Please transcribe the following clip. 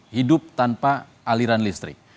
hidup tanpa aliran listrik